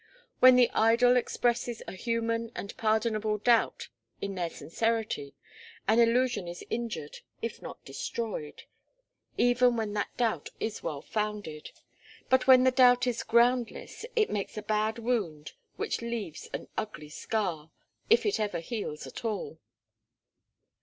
When the idol expresses a human and pardonable doubt in their sincerity, an illusion is injured, if not destroyed even when that doubt is well founded. But when the doubt is groundless, it makes a bad wound which leaves an ugly scar, if it ever heals at all.